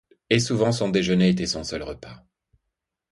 Et souvent son déjeuner était son seul repas.